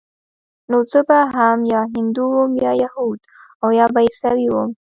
نو زه به هم يا هندو وم يا يهود او يا به عيسوى وم.